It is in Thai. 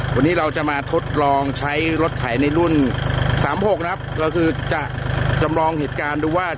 วันนี้เราจะมาทดลองใช้รถไถในรุ่นสามหกนะครับเราคือจะจำลองเหตุการณ์ดูว่า